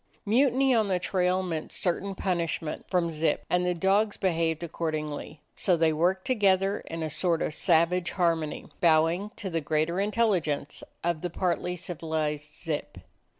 Mutiny on the trail meant certain punishment from Zip, and the dogs behaved accordingly. So they worked to gether in a sort of savage harmony, bowing to the greater intelligence of the partly civil ized Zip.